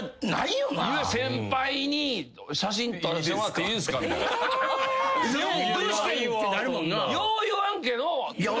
よう言わんけど。